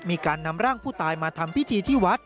มีการนำร่างผู้ตายมาทำพิธีที่วัด